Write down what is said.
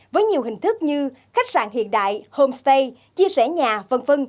với nhiều hình thức như khách sạn hiện đại homestay chia sẻ nhà v v